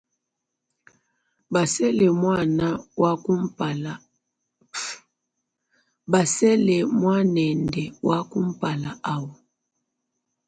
Basele muanende wa kumpala awu.